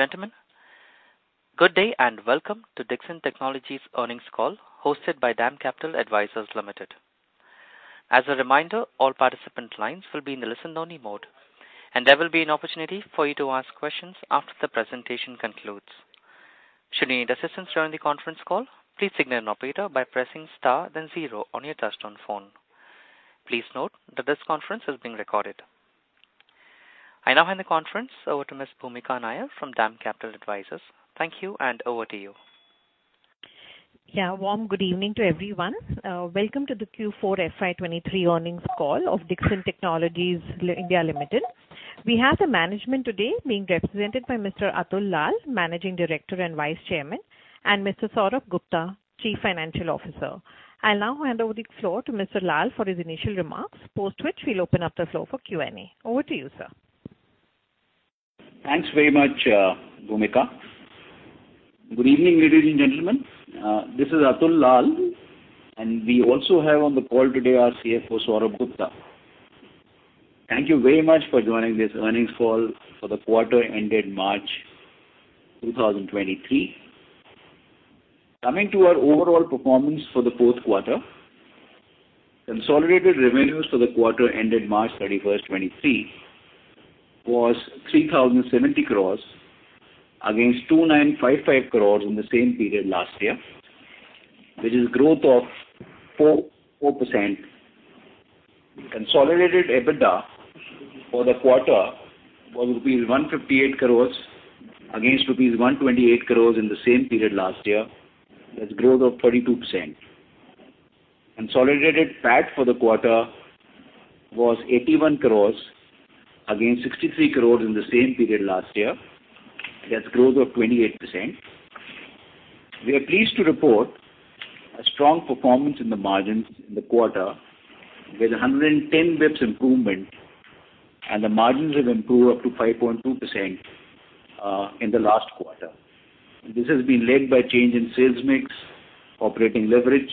Ladies and gentlemen, good day and welcome to Dixon Technologies earnings call hosted by DAM Capital Advisors Limited. As a reminder, all participant lines will be in the listen-only mode, and there will be an opportunity for you to ask questions after the presentation concludes. Should you need assistance during the conference call, please signal an operator by pressing star, then zero on your touchtone phone. Please note that this conference is being recorded. I now hand the conference over to Ms. Bhumika Nair from DAM Capital Advisors. Thank you, and over to you. Warm good evening to everyone. Welcome to the Q4 FY23 earnings call of Dixon Technologies (India) Limited. We have the management today being represented by Mr. Atul Lall, Managing Director and Vice Chairman, and Mr. Saurabh Gupta, Chief Financial Officer. I'll now hand over the floor to Mr. Lall for his initial remarks, post which we'll open up the floor for Q&A. Over to you, sir. Thanks very much, Bhumika. Good evening, ladies and gentlemen. Gupta. This is Atul Lall. We also have on the call today our CFO, Saurabh Gupta. Thank you very much for joining this earnings call for the quarter ending March 2023. Coming to our overall performance for the fourth quarter, consolidated revenues for the quarter ending March 31, 2023 was 3,070 crores against 2,955 crores in the same period last year. This is growth of 4%. Consolidated EBITDA for the quarter was rupees 158 crores against rupees 128 crores in the same period last year. That's growth of 32%. Consolidated PAT for the quarter was 81 crores against 63 crores in the same period last year. That's growth of 28%. We are pleased to report a strong performance in the margins in the quarter with a 110 basis points improvement. The margins have improved up to 5.2% in the last quarter. This has been led by change in sales mix, operating leverage,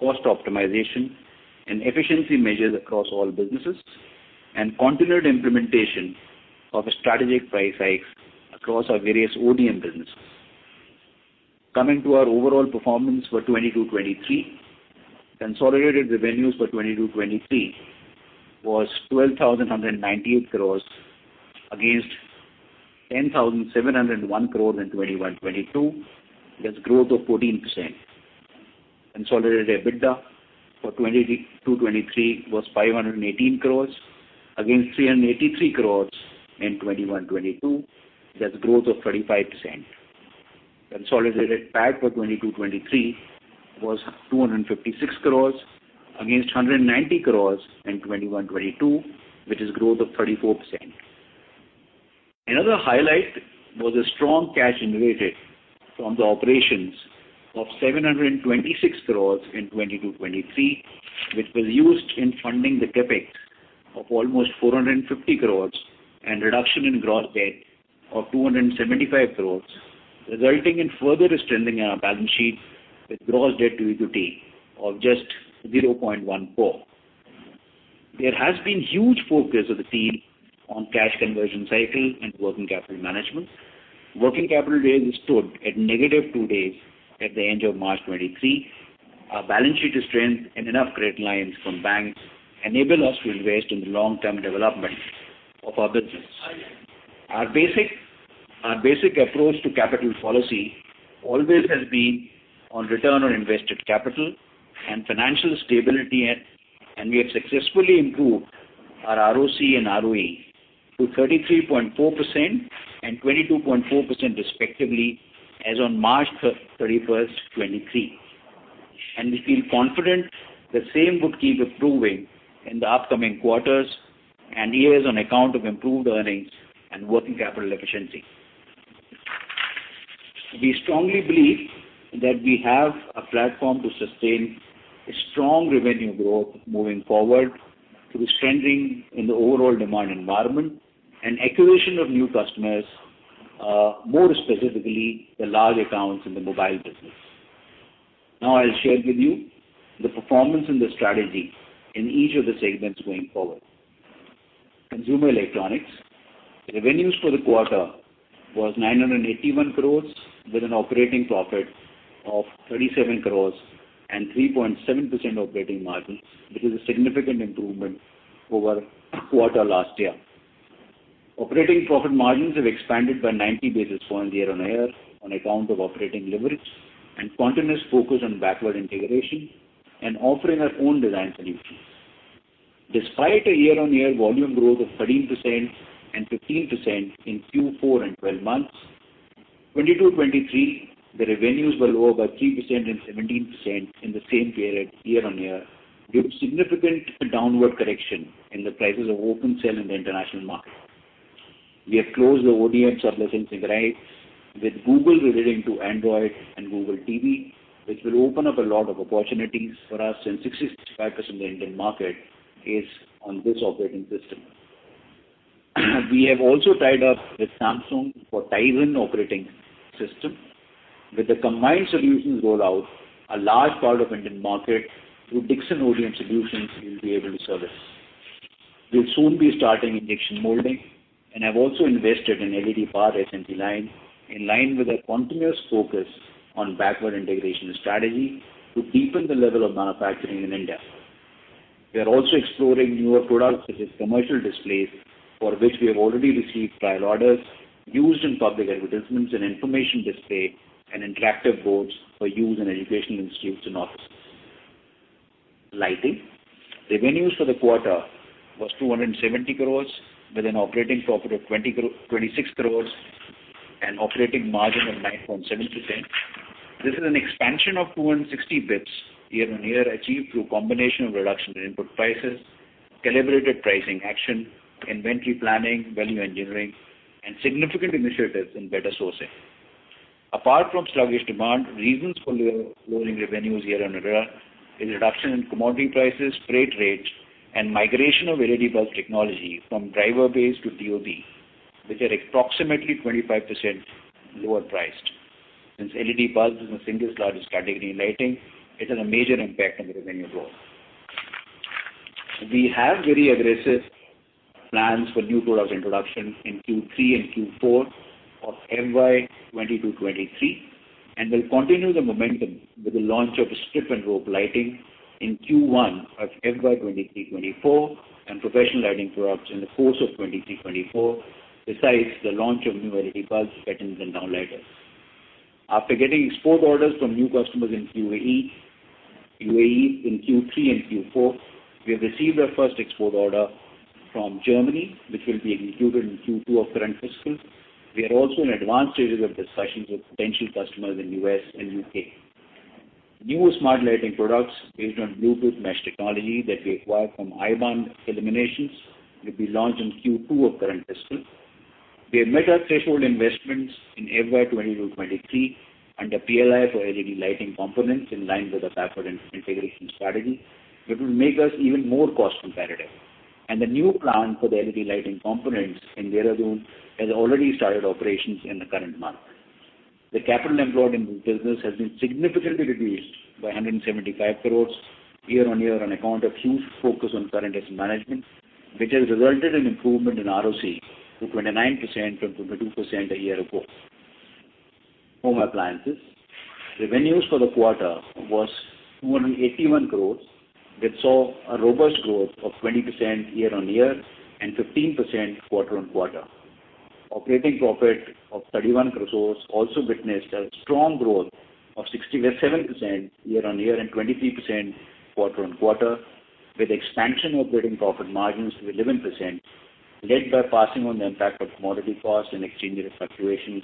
cost optimization and efficiency measures across all businesses. Continued implementation of strategic price hikes across our various ODM businesses. Coming to our overall performance for 2022–2023, consolidated revenues for 2022–2023 was 12,198 crores against 10,701 crores in 2021-2022. That's growth of 14%. Consolidated EBITDA for 2022–2023 was 518 crores against 383 crores in 2021-2022. That's growth of 35%. Consolidated PAT for 2022–2023 was 256 crores against 190 crores in 2021, 2022, which is growth of 34%. Another highlight was a strong cash generated from the operations of 726 crores in 2022, 2023, which was used in funding the CapEx of almost 450 crores and reduction in gross debt of 275 crores, resulting in further strengthening our balance sheet with gross debt to equity of just 0.14. There has been huge focus of the team on cash conversion cycle and working capital management. Working capital days stood at -2 days at the end of March 2023. Our balance sheet is strength and enough credit lines from banks enable us to invest in the long-term development of our business. Our basic approach to capital policy always has been on return on invested capital and financial stability, and we have successfully improved our ROC and ROE to 33.4% and 22.4% respectively as on March 31, 2023. We feel confident the same would keep improving in the upcoming quarters and years on account of improved earnings and working capital efficiency. We strongly believe that we have a platform to sustain a strong revenue growth moving forward due to strengthening in the overall demand environment and acquisition of new customers, more specifically the large accounts in the mobile business. I'll share with you the performance and the strategy in each of the segments going forward. Consumer Electronics. Revenues for the quarter was 981 crores with an operating profit of 37 crores and 3.7% operating margins, which is a significant improvement over quarter last year. Operating profit margins have expanded by 90 basis points year-on-year on account of operating leverage and continuous focus on backward integration and offering our own design solutions. Despite a year-on-year volume growth of 13% and 15% in Q4 and 12 months, 2022–2023, the revenues were lower by 3% and 17% in the same period year-on-year due to significant downward correction in the prices of open sale in the international market. We have closed the ODM sub-licensing rights, with Google relating to Android and Google TV, which will open up a lot of opportunities for us since 65% of the Indian market is on this operating system. We have also tied up with Samsung for Tizen operating system. With the combined solutions rollout, a large part of Indian market through Dixon ODM solutions we'll be able to service. We'll soon be starting injection molding and have also invested in LED bar SMT line, in line with our continuous focus on backward integration strategy to deepen the level of manufacturing in India. We are also exploring newer products such as commercial displays, for which we have already received trial orders used in public advertisements and information display and interactive boards for use in educational institutes and offices. Lighting. Revenues for the quarter was 270 crores with an operating profit of 26 crores and operating margin of 9.7%. This is an expansion of 260 basis points year-on-year, achieved through a combination of reduction in input prices, calibrated pricing action, inventory planning, value engineering, and significant initiatives in better sourcing. Apart from sluggish demand, reasons for lowering revenues year-on-year is reduction in commodity prices, freight rates, and migration of LED bulb technology from driver-based to COB, which are approximately 25% lower priced. Since LED bulbs is the single largest category in lighting, it has a major impact on the revenue growth. We have very aggressive plans for new product introduction in Q3 and Q4 of FY 2022–2023, and will continue the momentum with the launch of strip and rope lighting in Q1 of FY 2023–2024, and professional lighting products in the course of 2023-2024, besides the launch of new LED bulbs, fittings, and downlighters. After getting export orders from new customers in UAE in Q3 and Q4, we have received our first export order from Germany, which will be executed in Q2 of current fiscal. We are also in advanced stages of discussions with potential customers in U.S. and U.K. New smart lighting products based on Bluetooth mesh technology that we acquired from iBahn Illumination will be launched in Q2 of current fiscal. We have met our threshold investments in FY 2022–2023 under PLI for LED lighting components in line with our backward integration strategy. It will make us even more cost competitive. The new plant for the LED lighting components in Dehradun has already started operations in the current month. The capital employed in this business has been significantly reduced by 175 crores year-on-year on account of huge focus on current debt management, which has resulted in improvement in ROC to 29% from 22% a year ago. Home appliances. Revenues for the quarter was 281 crores, which saw a robust growth of 20% year-on-year and 15% quarter-on-quarter. Operating profit of 31 crores also witnessed a strong growth of 67% year-on-year and 23% quarter-on-quarter, with expansion of operating profit margins to 11%, led by passing on the impact of commodity costs and exchange rate fluctuations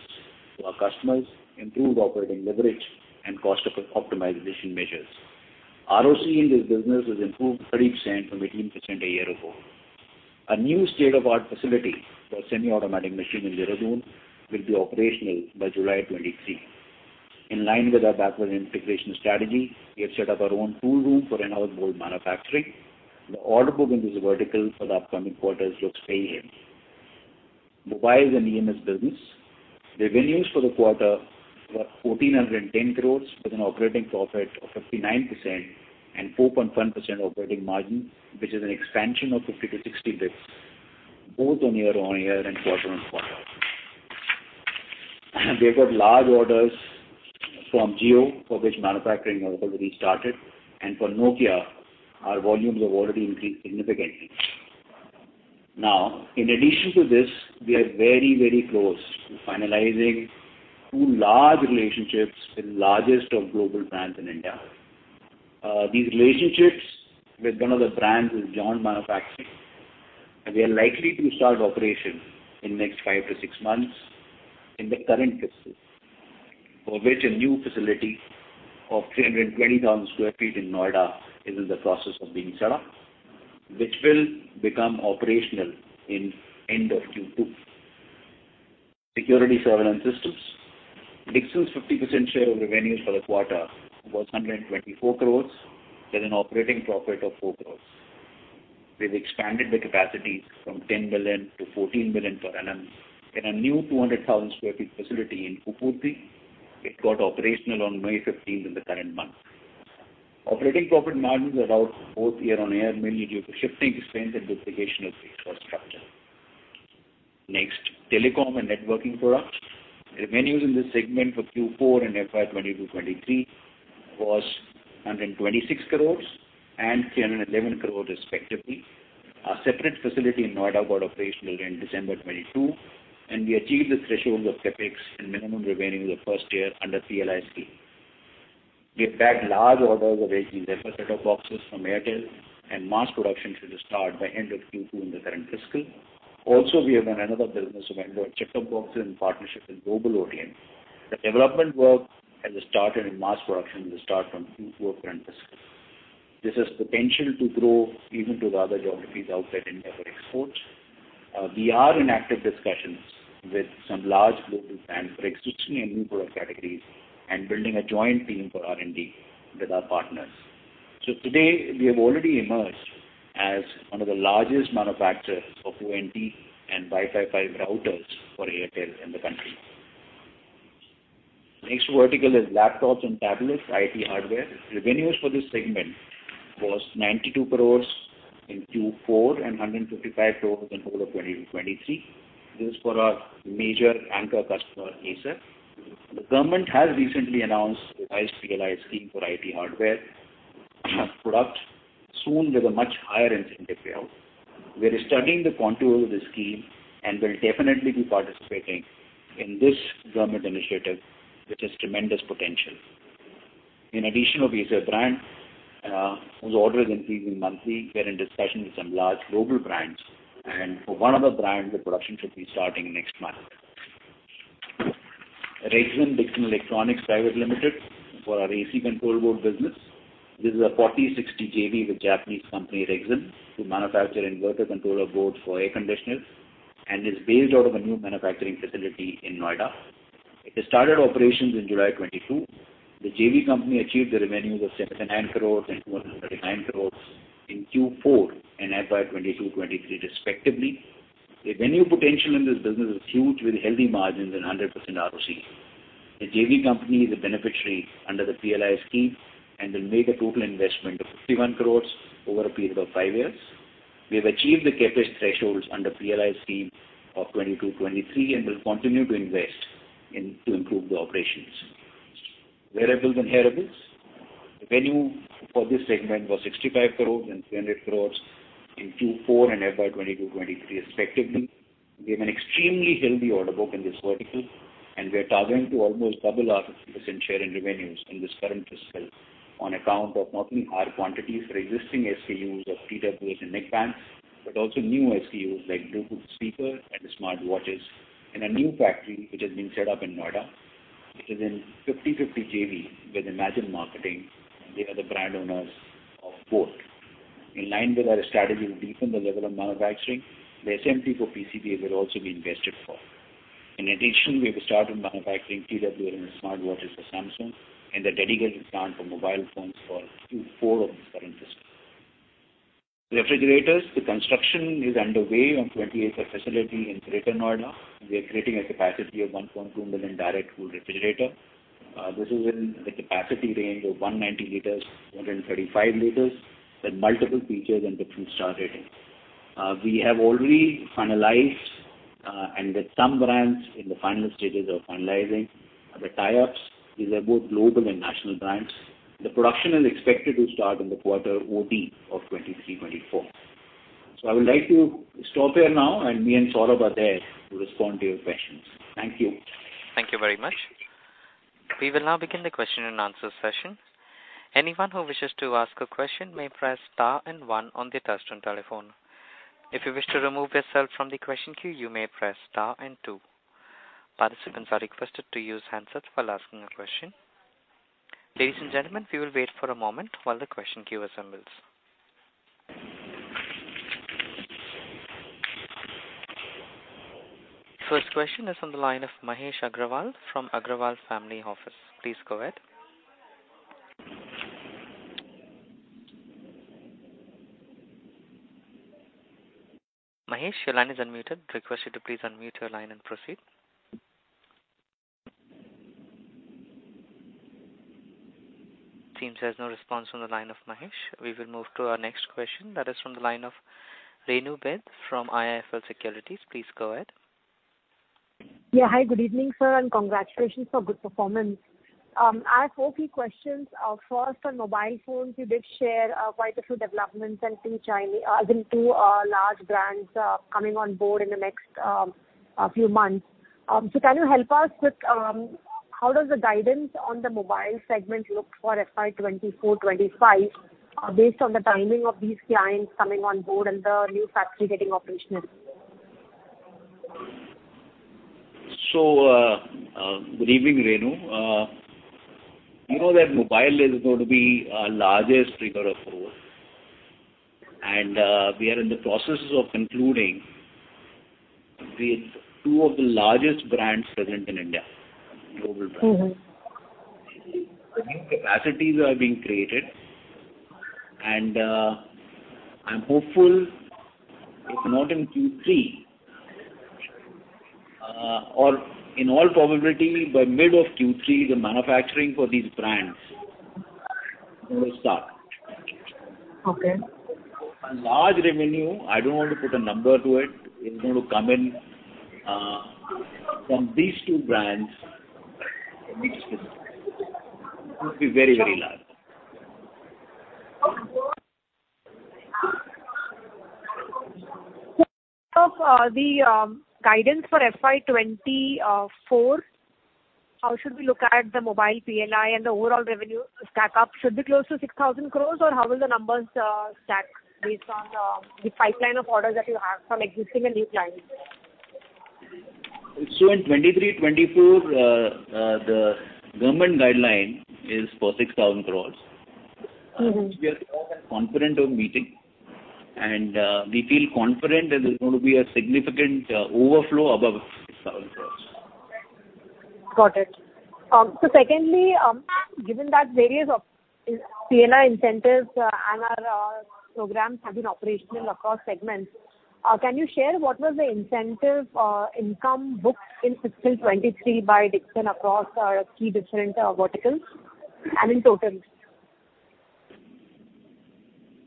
to our customers, improved operating leverage and cost opt-optimization measures. ROC in this business has improved 30% from 18% a year ago. A new state-of-art facility for semi-automatic machine in Dehradun will be operational by July 2023. In line with our backward integration strategy, we have set up our own tool room for in-house mold manufacturing. The order book in this vertical for the upcoming quarters looks very healthy. Mobiles and EMS business. Revenues for the quarter were 1,410 crores with an operating profit of 59% and 4.1% operating margin, which is an expansion of 50-60 basis points, both on year-on-year and quarter-on-quarter. We have got large orders from Jio for which manufacturing has already started. For Nokia, our volumes have already increased significantly. In addition to this, we are very, very close to finalizing two large relationships with largest of global brands in India. These relationships with one of the brands will join manufacturing, and we are likely to start operation in next 5-6 months in the current fiscal, for which a new facility of 320,000 sq. ft. in Noida is in the process of being set up, which will become operational in end of Q2. Security Surveillance Systems. Dixon's 50% share of revenues for the quarter was 124 crores with an operating profit of 4 crores. We've expanded the capacity from 10 million–14 million per annum in a new 200,000 sq ft facility in Tirupati. It got operational on May 15th in the current month. Operating profit margins are out both year-on-year, mainly due to shifting expense and duplication of fixed cost structure. Next, telecom and networking products. Revenues in this segment for Q4 and FY 2022, 2023 was 126 crores and 311 crores respectively. Our separate facility in Noida got operational in December 2022, and we achieved the thresholds of CapEx and minimum revenue in the first year under PLI scheme. We have bagged large orders of LTE set-top boxes from Airtel, and mass production should start by end of Q2 in the current fiscal. We have won another business of Android set-top boxes in partnership with Global Odin. The development work has started, and mass production will start from Q4 of current fiscal. This has potential to grow even to the other geographies outside India for exports. We are in active discussions with some large global brands for existing and new product categories and building a joint team for R&D with our partners. Today, we have already emerged as one of the largest manufacturers of ONT and Wi-Fi routers for Airtel in the country. Next vertical is laptops and tablets, IT hardware. Revenues for this segment was 92 crores in Q4 and 155 crores in total 2023. This is for our major anchor customer, Acer. The government has recently announced revised PLI scheme for IT hardware products. Soon with a much higher incentive payout. We are studying the contours of the scheme, and we'll definitely be participating in this government initiative, which has tremendous potential. In addition of Acer brand, whose order is increasing monthly, we're in discussions with some large global brands, and for one of the brands, the production should be starting next month. Rexxam Dixon Electronics Private Limited for our AC control board business. This is a 40/60 JV with Japanese company, Rexxam, to manufacture inverter controller boards for air conditioners, and is based out of a new manufacturing facility in Noida. It has started operations in July 2022. The JV company achieved the revenues of 79 crores and 139 crores in Q4 and FY 2022/2023 respectively. The revenue potential in this business is huge with healthy margins and 100% ROC. The JV company is a beneficiary under the PLI scheme and will make a total investment of 51 crores over a period of 5 years. We have achieved the CapEx thresholds under PLI scheme of 2022/2023 and will continue to invest in to improve the operations. Wearables and Hearables. The revenue for this segment was 65 crores and 300 crores in Q4 and FY 2022/2023 respectively. We have an extremely healthy order book in this vertical. We are targeting to almost double our 50% share in revenues in this current fiscal on account of not only higher quantities for existing SKUs of TWS and neckbands, but also new SKUs like Bluetooth speaker and smartwatches in a new factory which has been set up in Noida, which is in 50/50 JV with Imagine Marketing, and they are the brand owners of boAt. In line with our strategy to deepen the level of manufacturing, the SMT for PCBA will also be invested for. In addition, we have started manufacturing TWS and smartwatches for Samsung and a dedicated plant for mobile phones for Q4 of this current fiscal. Refrigerators, the construction is underway on 20 acres of facility in Greater Noida. We are creating a capacity of 1.2 million direct cool refrigerator. This is in the capacity range of 190 liters, 235 liters with multiple features and different star ratings. We have already finalized and with some brands in the final stages of finalizing the tie-ups. These are both global and national brands. The production is expected to start in the quarter OD of 2023/2024. I would like to stop here now, and me and Saurabh are there to respond to your questions. Thank you. Thank you very much. We will now begin the question and answer session. Anyone who wishes to ask a question may press star and one on their touch-tone telephone. If you wish to remove yourself from the question queue, you may press star and two. Participants are requested to use handsets while asking a question. Ladies and gentlemen, we will wait for a moment while the question queue assembles. First question is on the line of Mahesh Agrawal from Agrawal Family Office. Please go ahead. Mahesh, your line is unmuted. Request you to please unmute your line and proceed. Seems there's no response from the line of Mahesh. We will move to our next question. That is from the line of Renu Baid from IIFL Securities. Please go ahead. Yeah. Hi, good evening, sir, and congratulations for good performance. I have four key questions. First, on mobile phones, you did share, quite a few developments and two, I mean, two large brands, coming on board in the next few months. Can you help us with, how does the guidance on the mobile segment look for FY 2024/2025, based on the timing of these clients coming on board and the new factory getting operational? Good evening, Renu Baid. You know that mobile is going to be our largest trigger of growth. We are in the processes of concluding with two of the largest brands present in India, global brands. Mm-hmm. The new capacities are being created. I'm hopeful, if not in Q3, or in all probability by mid of Q3, the manufacturing for these brands is going to start. Okay. A large revenue, I don't want to put a number to it, is going to come in from these two brands in this business. It will be very, very large. Sure. The guidance for FY 2024, how should we look at the mobile PLI and the overall revenue stack up? Should be close to 6,000 crores or how will the numbers stack based on the pipeline of orders that you have from existing and new clients? In 2023-2024, the government guideline is for 6,000 crores. Mm-hmm. Which we are confident of meeting. We feel confident that there's going to be a significant overflow above 6,000 crore. Got it. Secondly, given that various of PLI incentives and other programs have been operational across segments. Can you share what was the incentive income booked in fiscal 2023 by Dixon across our key different verticals and in total?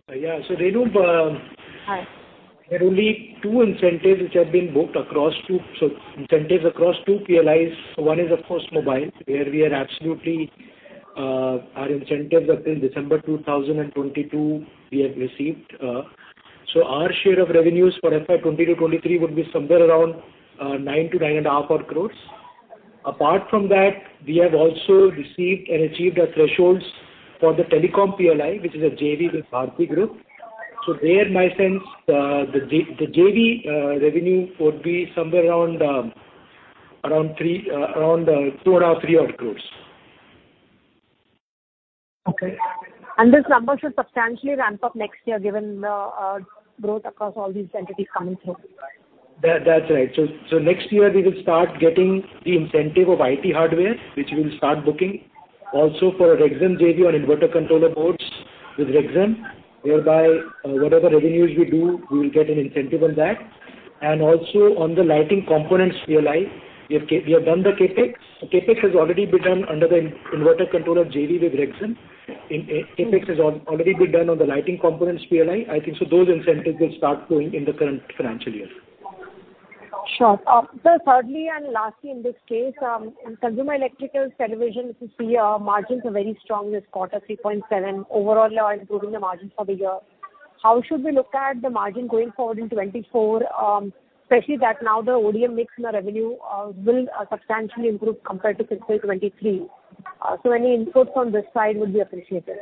Yeah. Renu- Hi. There are only two incentives which have been booked across two PLIs. Incentives across two PLIs. One is of course mobile, where we are absolutely, our incentives up till December 2022 we have received. Our share of revenues for FY 2022, 2023 would be somewhere around, 9-9.5 odd crores. Apart from that, we have also received and achieved our thresholds for the telecom PLI, which is a JV with Bharti Enterprises. There, my sense, the JV, revenue would be somewhere around 3, around, 2.5-3 odd crores. Okay. And this number should substantially ramp up next year, given the growth across all these entities coming through. That's right. Next year we will start getting the incentive of IT hardware, which we'll start booking. Also for our Rexxam JV on inverter controller boards with Rexxam, whereby, whatever revenues we do, we will get an incentive on that. And also on the lighting components PLI, we have done the CapEx. CapEx has already been done under the inverter controller JV with Rexxam. CapEx has already been done on the lighting components PLI, I think. Those incentives will start flowing in the current financial year. Sure. Sir, thirdly and lastly in this case, in consumer electrical television, if you see, margins are very strong this quarter, 3.7%. Overall improving the margins for the year. How should we look at the margin going forward in 2024, especially that now the ODM mix in the revenue, will substantially improve compared to fiscal 2023. Any inputs on this side would be appreciated.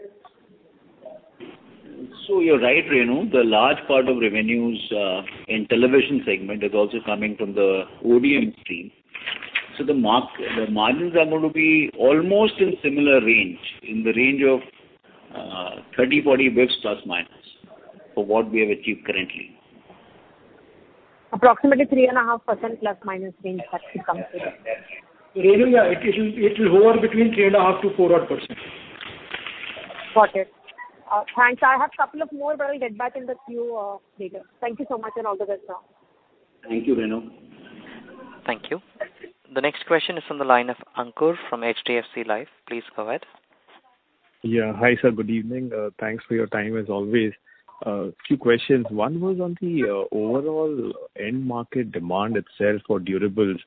You're right, Renu. The large part of revenues in television segment is also coming from the ODM stream. The margins are going to be almost in similar range, in the range of 30-40 bits ± for what we have achieved currently. Approximately three and a half % plus minus range that it comes to. Yeah. Yeah. Yeah. Renu, yeah, it'll hover between three and a half to 4 odd %. Got it. Thanks. I have couple of more, but I will get back in the queue later. Thank you so much, and all the best. Thank you, Renu. Thank you. The next question is from the line of Ankur from HDFC Life. Please go ahead. Yeah. Hi, sir. Good evening. Thanks for your time as always. Two questions. One was on the overall end market demand itself for durables,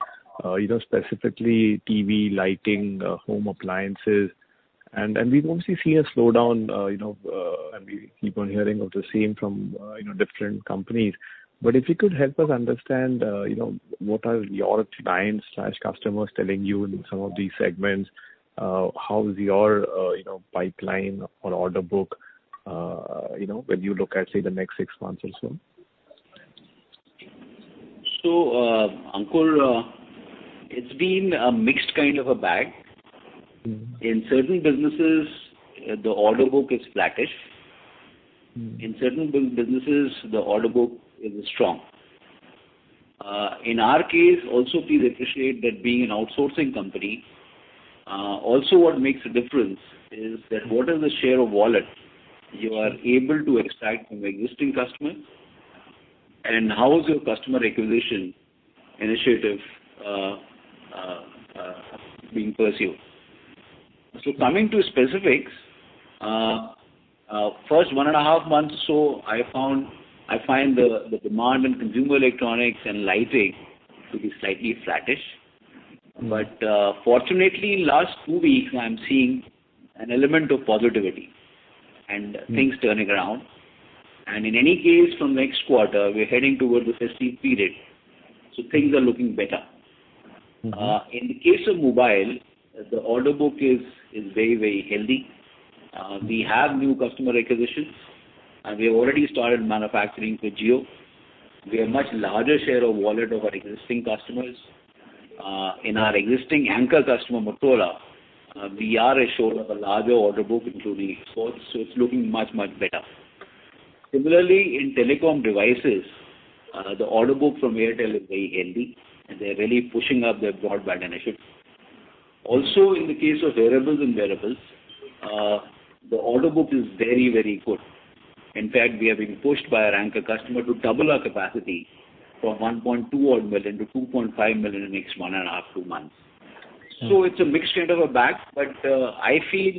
you know, specifically TV, lighting, home appliances. We've obviously seen a slowdown, you know, and we keep on hearing of the same from, you know, different companies. If you could help us understand, you know, what are your clients/customers telling you in some of these segments? How is your, you know, pipeline or order book, you know, when you look at, say, the next 6 months or so? Ankur, it's been a mixed kind of a bag. Mm-hmm. In certain businesses, the order book is flattish. Mm-hmm. In certain businesses, the order book is strong. In our case also please appreciate that being an outsourcing company, also what makes a difference is that what is the share of wallet you are able to extract from existing customers, and how is your customer acquisition initiative being pursued. Coming to specifics, first 1.5 months or so, I find the demand in consumer electronics and lighting to be slightly flattish. Mm-hmm. Fortunately, last 2 weeks I'm seeing an element of positivity and things turning around. Mm-hmm. In any case, from next quarter we're heading towards the festive period, so things are looking better. Mm-hmm. In the case of mobile, the order book is very healthy. We have new customer acquisitions, we have already started manufacturing for Jio. We have much larger share of wallet of our existing customers. In our existing anchor customer, Motorola, has showed up a larger order book including exports, so it's looking much better. Similarly, in telecom devices, the order book from Airtel is very healthy, and they're really pushing up their broadband initiatives. In the case of hearables and wearables, the order book is very good. In fact, we have been pushed by our anchor customer to double our capacity from 1.2 odd million to 2.5 million in next one and a half, two months. Mm-hmm. It's a mixed kind of a bag, but I feel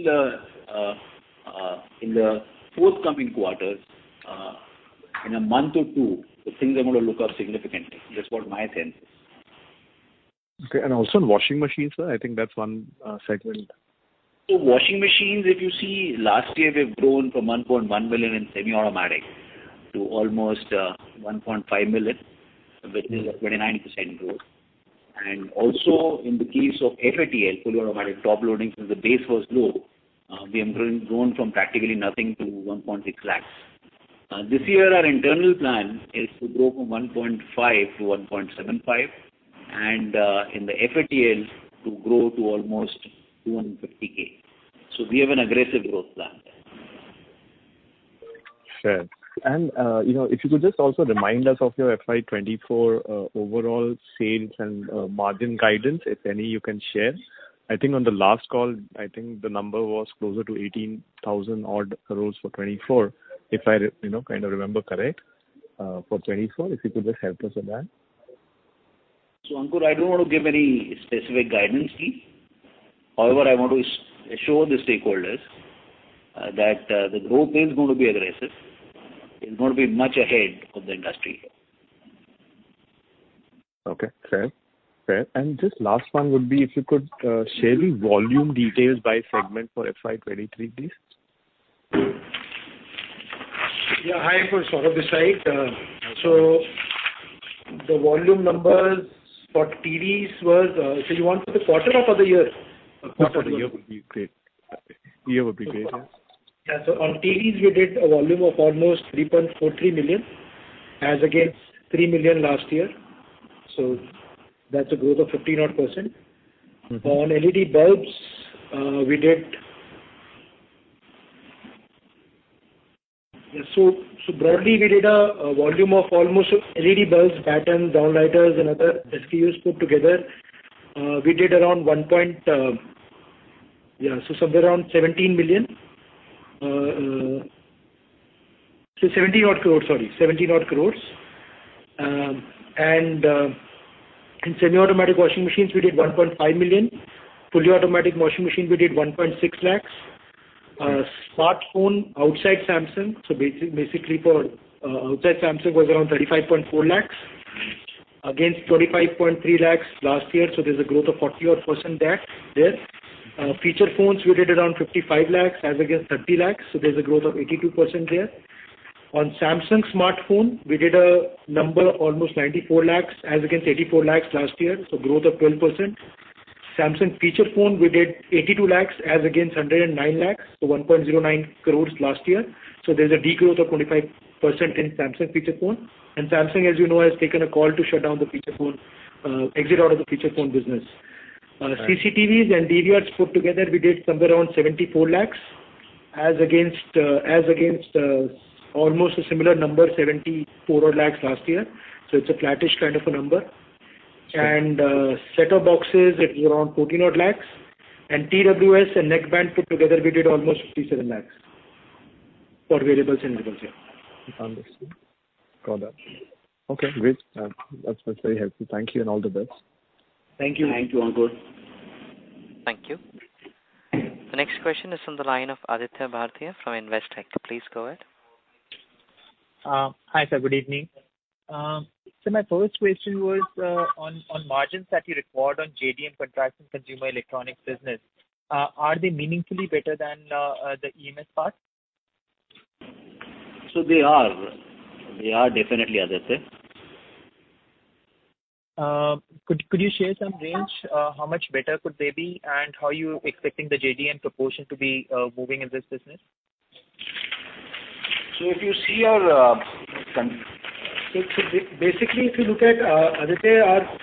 in the forthcoming quarters, in a month or two, the things are gonna look up significantly. That's what my sense is. Okay. Also in washing machines, sir, I think that's one segment. Washing machines, if you see last year we've grown from 1.1 million in semi-automatic to almost 1.5 million, which is a 29% growth. Also in the case of FATL, fully automatic top loading, since the base was low, we have grown from practically nothing to 1.6 lakhs. This year our internal plan is to grow from 1.5 to 1.75, and in the FATL to grow to almost 250k. We have an aggressive growth plan. Sure. You know, if you could just also remind us of your FY 2024 overall sales and margin guidance, if any you can share. I think on the last call, I think the number was closer to 18,000 odd crores for 2024, if I you know, kind of remember correct. For 2024, if you could just help us with that. Ankur, I don't want to give any specific guidance here. However, I want to assure the stakeholders that the growth is going to be aggressive. It's going to be much ahead of the industry. Okay, fair. Fair. Just last one would be if you could share the volume details by segment for FY 2023, please. Yeah. Hi, for Saurabh this side. The volume numbers for TVs was... You want for the quarter or for the year? Quarter would be great. Year would be great, yes. Yeah. On TVs, we did a volume of almost 3.43 million as against 3 million last year. That's a growth of 15 odd %. Mm-hmm. On LED bulbs, broadly, we did a volume of almost LED bulbs, patterns, downlighters and other SKUs put together, we did around 17 million. 70 odd crores, sorry. 70 odd crores. In semi-automatic washing machines, we did 1.5 million. Fully automatic washing machine, we did 1.6 lakhs. Smartphone outside Samsung, outside Samsung was around 35.4 lakhs against 25.3 lakhs last year. There's a growth of 40 odd % there. Feature phones, we did around 55 lakhs as against 30 lakhs. There's a growth of 82% there. On Samsung smartphone, we did a number almost 94 lakhs as against 84 lakhs last year, growth of 12%. Samsung feature phone, we did 82 lakhs as against 109 lakhs, so 1.09 crores last year. There's a decline of 25% in Samsung feature phone. Samsung, as you know, has taken a call to shut down the feature phone, exit out of the feature phone business. Right. On CCTVs and DVRs put together, we did somewhere around 74 lakhs as against almost a similar number, 74 odd lakhs last year. It's a flattish kind of a number. Sure. set-top boxes, it's around 14 odd lakhs. TWS and neckband put together, we did almost 57 lakhs for wearables and deliverables, yeah. Understood. Got that. Okay, great. That's very helpful. Thank you and all the best. Thank you. Thank you, Ankur. Thank you. The next question is from the line of Aditya Bhartia from Investec. Please go ahead. Hi, sir. Good evening. My first question was on margins that you record on JDM contracts and consumer electronics business, are they meaningfully better than the EMS part? They are. They are definitely, Aditya. Could you share some range? How much better could they be, and how are you expecting the JDM proportion to be moving in this business? If you see our. Basically, if you look at Aditya, our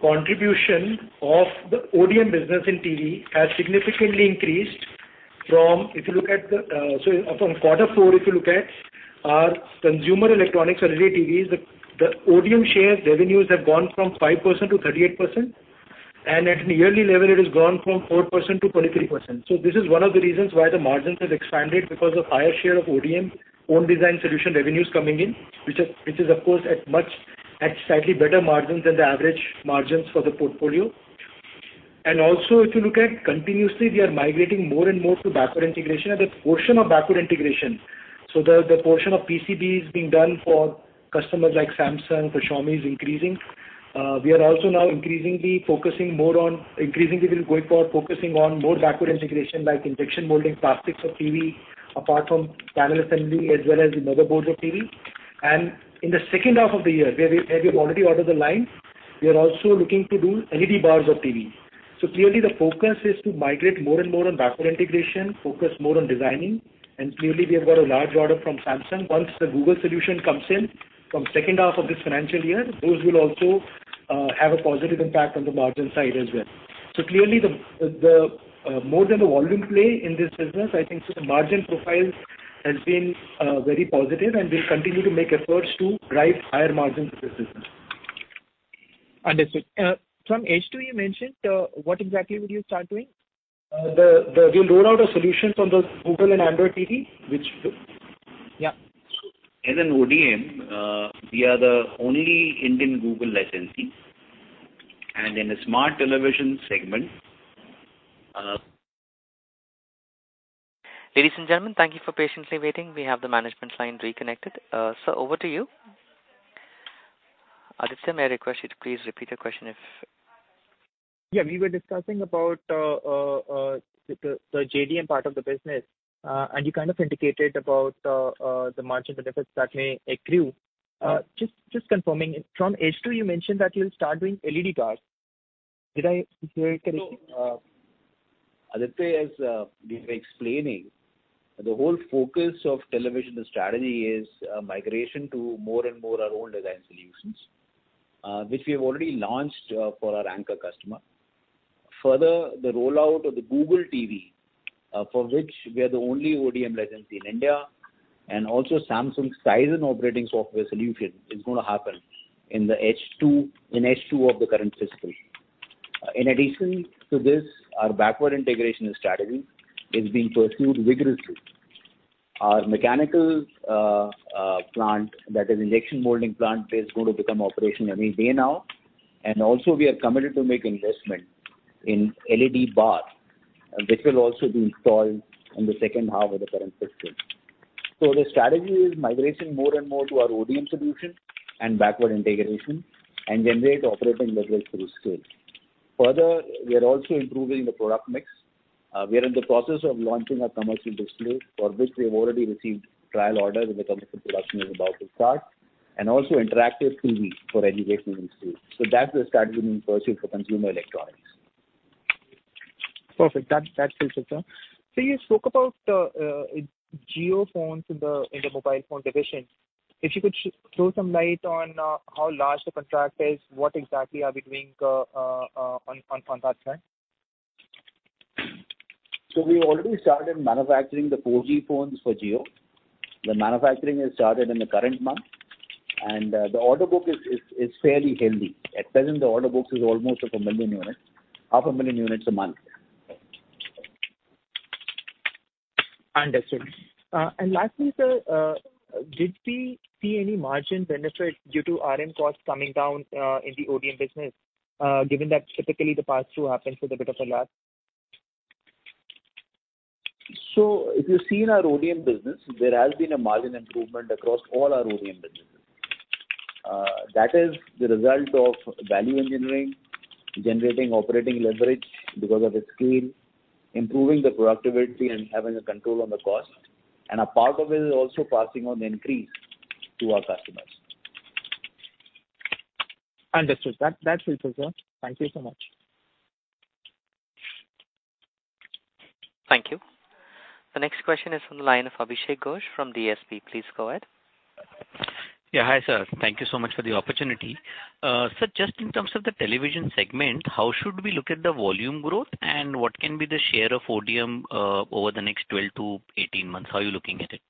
contribution of the ODM business in TV has significantly increased from, if you look at the, from quarter 4, if you look at our consumer electronics or LED TVs, the ODM share revenues have gone from 5% to 38%. At a yearly level, it has gone from 4% to 23%. This is one of the reasons why the margins have expanded because of higher share of ODM, own design solution revenues coming in, which is of course at slightly better margins than the average margins for the portfolio. Also, if you look at continuously, we are migrating more and more to backward integration and the portion of backward integration. The portion of PCB is being done for customers like Samsung, for Xiaomi is increasing. We are also now increasingly we're going forward focusing on more backward integration like injection molding plastics for TV, apart from panel assembly as well as the motherboards of TV. In the second half of the year, we have already ordered the line. We are also looking to do LED bars of TV. Clearly the focus is to migrate more and more on backward integration, focus more on designing. Clearly we have got a large order from Samsung. Once the Google solution comes in from second half of this financial year, those will also have a positive impact on the margin side as well. Clearly the more than the volume play in this business, I think the margin profile has been very positive and we'll continue to make efforts to drive higher margins in this business. Understood. From H2, you mentioned, what exactly would you start doing? We'll roll out a solution from the Google and Android TV. Yeah. As an ODM, we are the only Indian Google licensee, and in the smart television segment. Ladies and gentlemen, thank you for patiently waiting. We have the management line reconnected. Sir, over to you. Aditya, may I request you to please repeat the question? Yeah. We were discussing about the JDM part of the business, and you kind of indicated about the margin benefits that may accrue. Just confirming. From H2, you mentioned that you'll start doing LED bars. Did I hear it correctly? Aditya Bhartia, as we were explaining, the whole focus of television strategy is migration to more and more our own design solutions, which we have already launched for our anchor customer. Further, the rollout of the Google TV, for which we are the only ODM licensee in India, and also Samsung's Tizen operating software solution is going to happen in H2 of the current fiscal. In addition to this, our backward integration strategy is being pursued vigorously. Our mechanical plant, that is injection molding plant, is going to become operational any day now. Also we are committed to make investment in LED bars, and this will also be installed in the second half of the current fiscal. The strategy is migrating more and more to our ODM solutions and backward integration and generate operating leverage through scale. Further, we are also improving the product mix. We are in the process of launching our commercial display, for which we have already received trial orders, and the commercial production is about to start, and also interactive TV for education institutes. That's the strategy we pursue for consumer electronics. Perfect. That's it, sir. You spoke about Jio phones in the mobile phones division. If you could throw some light on how large the contract is, what exactly are we doing on that front? We already started manufacturing the 4G phones for Jio. The manufacturing has started in the current month, and the order book is fairly healthy. At present, the order book is almost of a million units, half a million units a month. Understood. Lastly, sir, did we see any margin benefit due to RM costs coming down in the ODM business, given that typically the pass-through happens with a bit of a lag? If you see in our ODM business, there has been a margin improvement across all our ODM businesses. That is the result of value engineering, generating operating leverage because of the scale, improving the productivity and having a control on the cost. A part of it is also passing on the increase to our customers. Understood. That's it, sir. Thank you so much. Thank you. The next question is from the line of Abhishek Ghosh from DSP. Please go ahead. Yeah, hi, sir. Thank you so much for the opportunity. Sir, just in terms of the television segment, how should we look at the volume growth, and what can be the share of ODM, over the next 12 to 18 months? How are you looking at it?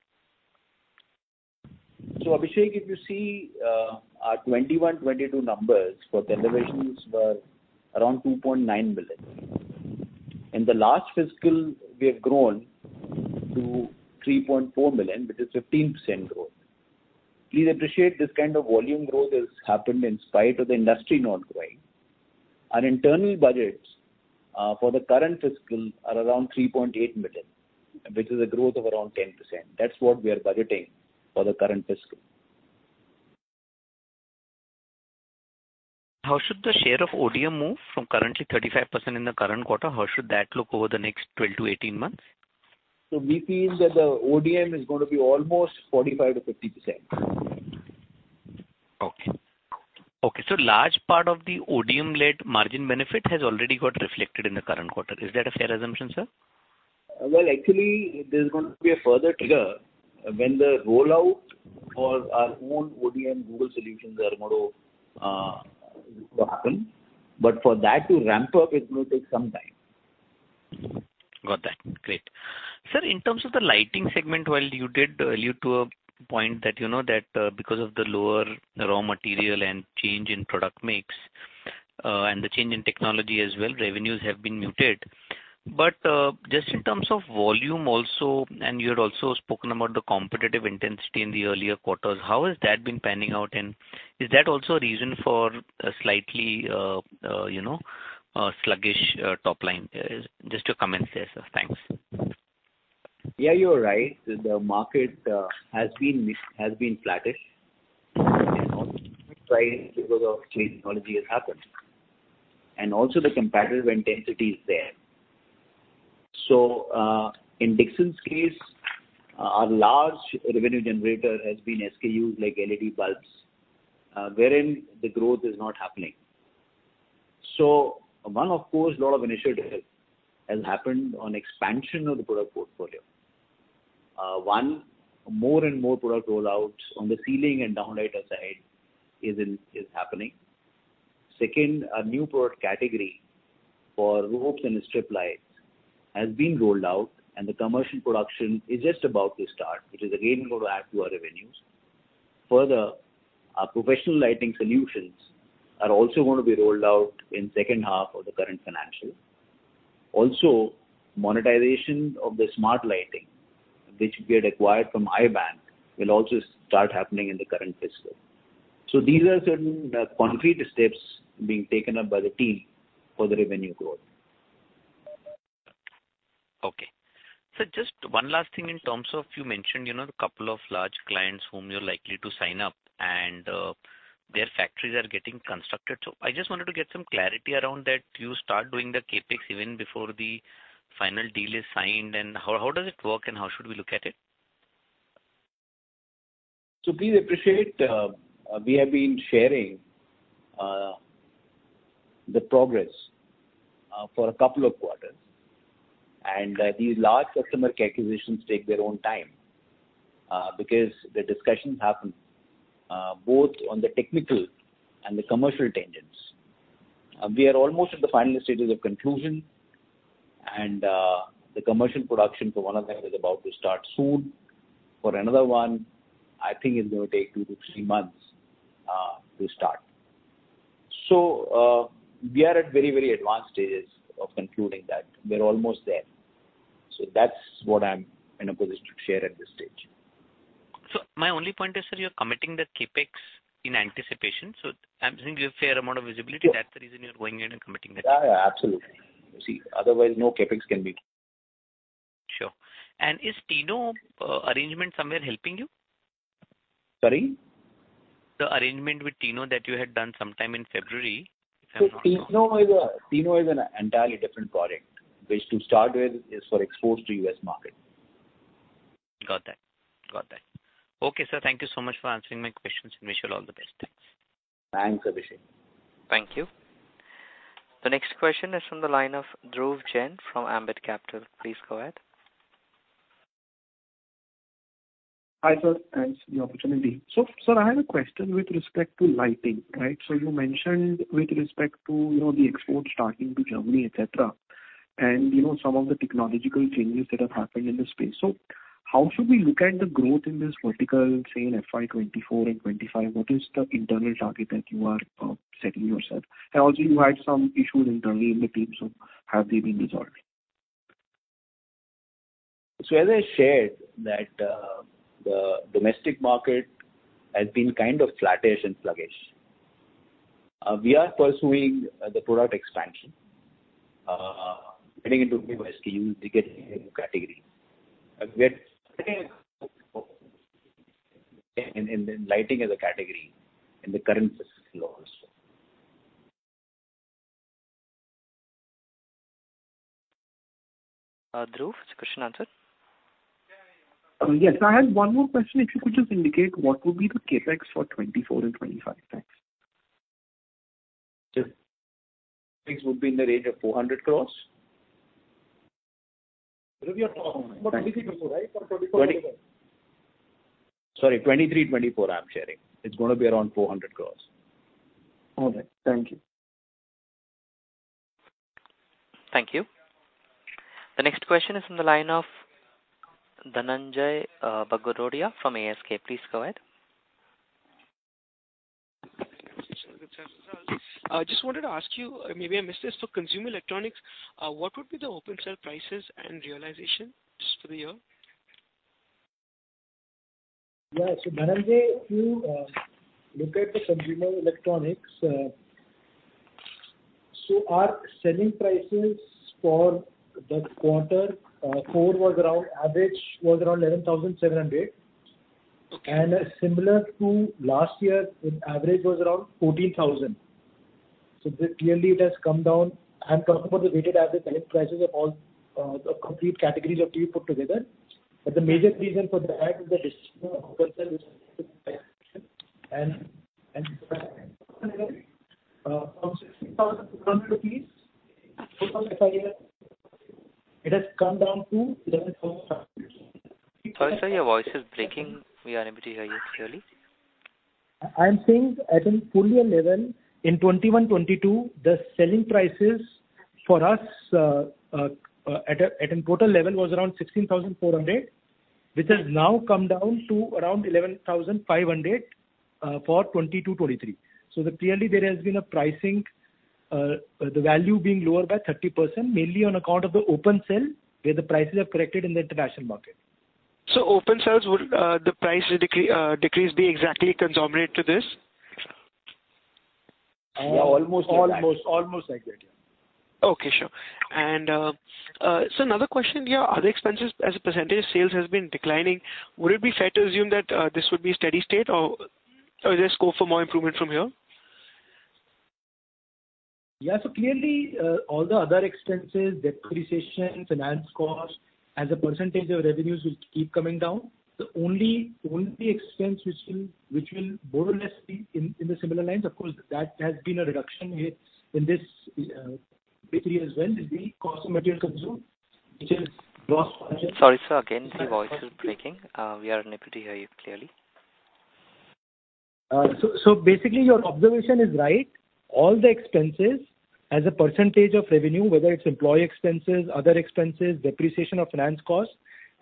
Abhishek, if you see, our 2021, 2022 numbers for televisions were around 2.9 million. In the last fiscal, we have grown to 3.4 million, which is 15% growth. Please appreciate this kind of volume growth has happened in spite of the industry not growing. Our internal budgets for the current fiscal are around 3.8 million, which is a growth of around 10%. That's what we are budgeting for the current fiscal. How should the share of ODM move from currently 35% in the current quarter? How should that look over the next 12 to 18 months? We feel that the ODM is gonna be almost 45%-50%. Okay. Okay. Large part of the ODM-led margin benefit has already got reflected in the current quarter. Is that a fair assumption, sir? Well, actually there's going to be a further trigger when the rollout for our own ODM Google solutions are going to happen. For that to ramp up, it's going to take some time. Got that. Great. Sir, in terms of the lighting segment, while you did allude to a point that, you know, that because of the lower raw material and change in product mix, and the change in technology as well, revenues have been muted. Just in terms of volume also, and you had also spoken about the competitive intensity in the earlier quarters, how has that been panning out? Is that also a reason for a slightly, you know, sluggish top line? Just a comment there, sir. Thanks. Yeah, you are right. The market has been flattish because of change technology has happened, and also the competitive intensity is there. In Dixon’s case, our large revenue generator has been SKUs like LED bulbs, wherein the growth is not happening. One, of course, lot of initiatives has happened on expansion of the product portfolio. One, more and more product rollouts on the ceiling and downlighter side is happening. Second, a new product category for ropes and strip lights has been rolled out, and the commercial production is just about to start, which is again gonna add to our revenues. Our professional lighting solutions are also gonna be rolled out in second half of the current financial. Monetization of the smart lighting, which we had acquired from Ibahn Illumination, will also start happening in the current fiscal. These are certain, concrete steps being taken up by the team for the revenue growth. Okay. Sir, just one last thing in terms of you mentioned, you know, the couple of large clients whom you're likely to sign up and their factories are getting constructed. I just wanted to get some clarity around that. Do you start doing the CapEx even before the final deal is signed, and how does it work and how should we look at it? Please appreciate, we have been sharing the progress for 2 quarters. These large customer acquisitions take their own time because the discussions happen both on the technical and the commercial tangents. We are almost at the final stages of conclusion The commercial production for one of them is about to start soon. For another one, I think it's gonna take two to three months to start. We are at very, very advanced stages of concluding that. We're almost there. That's what I'm in a position to share at this stage. My only point is, sir, you're committing the CapEx in anticipation. I'm assuming you have fair amount of visibility. That's the reason you're going in and committing that. Yeah, yeah, absolutely. See, otherwise, no CapEx can be... Sure. Is Tinno arrangement somewhere helping you? Sorry? The arrangement with Tinno that you had done sometime in February. Tinno is an entirely different product, which to start with, is for exports to US market. Got that. Got that. Okay, sir, thank you so much for answering my questions and wish you all the best. Thanks. Thanks,. Thank you. The next question is from the line of Dhruv Jain from Ambit Capital. Please go ahead. Hi, sir. Thanks for the opportunity. Sir, I have a question with respect to lighting, right? You mentioned with respect to, you know, the export starting to Germany, et cetera, and, you know, some of the technological changes that have happened in this space. How should we look at the growth in this vertical, say, in FY 2024 and 2025? What is the internal target that you are setting yourself? You had some issues internally in the team, so have they been resolved? As I shared that, the domestic market has been kind of flattish and sluggish. We are pursuing the product expansion, getting into new SKUs, getting a new category. We are expanding in lighting as a category in the current fiscal year also. Dhruv, is the question answered? Yes. I have one more question. If you could just indicate what would be the CapEx for 2024 and 2025. Thanks. Sure. CapEx would be in the range of 400 crores. It'll be around right, for 2024, 2025? Sorry, 2023, 2024 I'm sharing. It's gonna be around 400 crores. All right. Thank you. Thank you. The next question is from the line of Dhananjai Bagrodia from ASK. Please go ahead. Just wanted to ask you, maybe I missed this for consumer electronics. What would be the open sale prices and realization just for the year? Dhananjai, if you look at the consumer electronics, our selling prices for the quarter 4 was around, average was around 11,700. Similar to last year's average was around 14,000. Clearly it has come down. I'm talking about the weighted average selling prices of all the complete categories after you put together. The major reason for that is the decision of open sale from INR 16,400 from last year, it has come down to INR 11,500. Sorry, sir, your voice is breaking. We are unable to hear you clearly. I am saying at a full year level in 2021, 2022, the selling prices for us at a total level was around 16,400, which has now come down to around 11,500 for 2022, 2023. Clearly there has been a pricing, the value being lower by 30%, mainly on account of the open sale, where the prices have corrected in the international market. Open sales would the price decrease be exactly conglomerate to this? Almost. Almost like that, yeah. Okay, sure. Another question here. Are the expenses as a percentage of sales has been declining? Would it be fair to assume that this would be steady state or there's scope for more improvement from here? Clearly, all the other expenses, depreciation, finance cost as a percentage of revenues will keep coming down. The only expense which will more or less be in the similar lines, of course, that has been a reduction here in this period as well will be cost of material consumed, which is gross margin. Sorry, sir. Again, your voice is breaking. We are unable to hear you clearly. Basically your observation is right. All the expenses as a percentage of revenue, whether it's employee expenses, other expenses, depreciation or finance costs,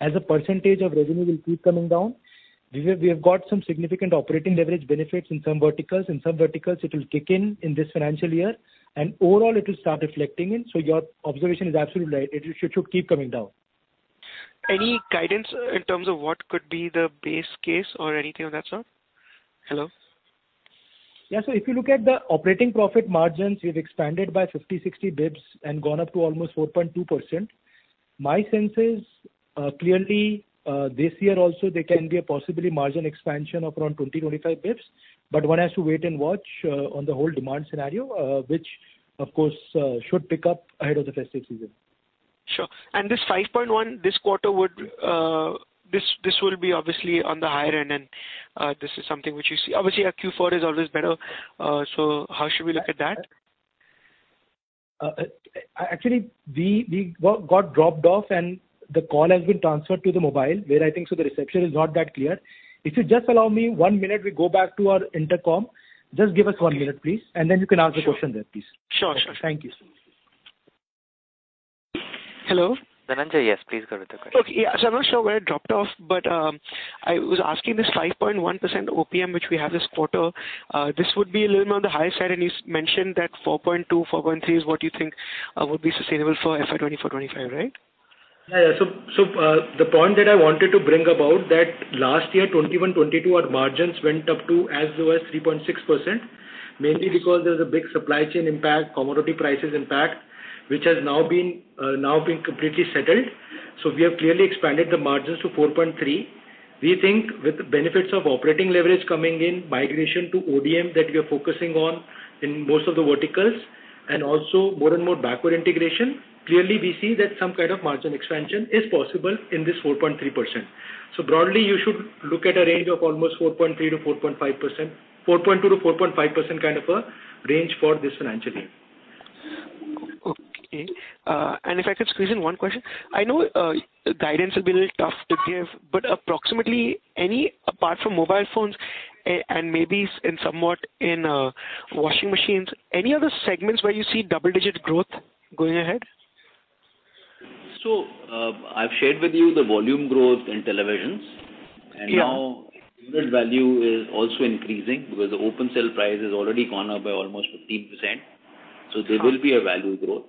as a percentage of revenue will keep coming down. We have got some significant operating leverage benefits in some verticals. In some verticals it will kick in in this financial year, and overall it will start reflecting in. Your observation is absolutely right. It should keep coming down. Any guidance in terms of what could be the base case or anything of that sort? Hello? If you look at the operating profit margins, we've expanded by 50-60 basis points and gone up to almost 4.2%. My sense is, clearly, this year also there can be a possibly margin expansion of around 20-25 basis points. One has to wait and watch, on the whole demand scenario, which of course, should pick up ahead of the festive season. Sure. This 5.1, this quarter would, this will be obviously on the higher end and, this is something which you see. Obviously, our Q4 is always better. How should we look at that? Actually, we got dropped off and the call has been transferred to the mobile where I think so the reception is not that clear. If you just allow me 1 minute, we go back to our intercom. Just give us 1 minute, please, and then you can ask the question there, please. Sure, sure. Thank you. Hello? Nanjan, yes, please go with the question. Okay. Yeah. I'm not sure where I dropped off, but I was asking this 5.1% OPM which we have this quarter, this would be a little on the high side, and you mentioned that 4.2%, 4.3% is what you think would be sustainable for FY 2024-2025, right? Yeah. The point that I wanted to bring about that last year, 2021, 2022, our margins went up to as low as 3.6%, mainly because there's a big supply chain impact, commodity prices impact, which has now been completely settled. We have clearly expanded the margins to 4.3%. We think with the benefits of operating leverage coming in, migration to ODM that we are focusing on in most of the verticals, and also more and more backward integration, clearly we see that some kind of margin expansion is possible in this 4.3%. Broadly, you should look at a range of almost 4.3%-4.5%, 4.2%-4.5% kind of a range for this financial year. Okay. If I could squeeze in one question. I know guidance will be a little tough to give, approximately any, apart from mobile phones and maybe in somewhat in washing machines, any other segments where you see double-digit growth going ahead? I've shared with you the volume growth in televisions. Yeah. Now unit value is also increasing because the open sale price has already gone up by almost 15%, so there will be a value growth.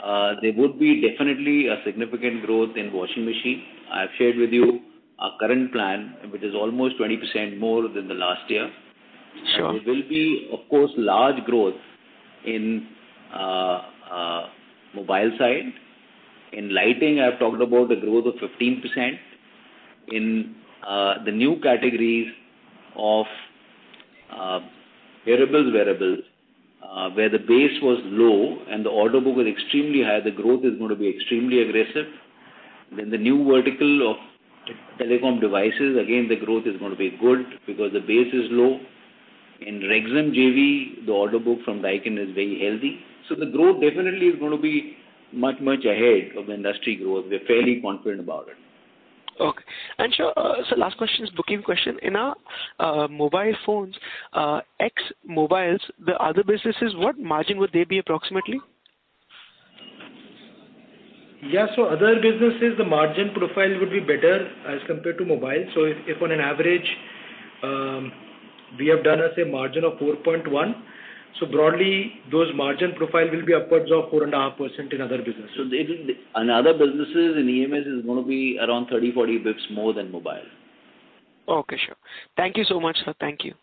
There would be definitely a significant growth in washing machine. I've shared with you our current plan, which is almost 20% more than the last year. Sure. There will be, of course, large growth in mobile side. In lighting, I've talked about the growth of 15%. In the new categories of wearables, where the base was low and the order book was extremely high, the growth is gonna be extremely aggressive. The new vertical of telecom devices, again, the growth is gonna be good because the base is low. In Rexxam JV, the order book from Daikin is very healthy. The growth definitely is gonna be much, much ahead of industry growth. We're fairly confident about it. Okay. Sure, last question is booking question. In our mobile phones, ex-mobiles the other businesses, what margin would they be approximately? Yeah. Other businesses, the margin profile would be better as compared to mobile. If, if on an average, we have done a, say, margin of 4.1, so broadly, those margin profile will be upwards of 4.5% in other businesses. They will be. Other businesses in EMS is gonna be around 30, 40 bits more than mobile. Okay, sure. Thank you so much, sir. Thank you.